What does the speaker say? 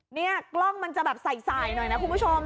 เนี้ยกล้องมันจะแบบใส่ใส่หน่อยนะคุณผู้ชม